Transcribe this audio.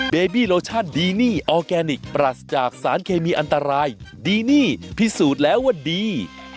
เบบี้โลชั่นดีนี่ออร์แกนิคปรัสจากสารเคมีอันตรายดีนี่พิสูจน์แล้วว่าดี